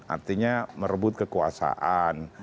artinya merebut kekuasaan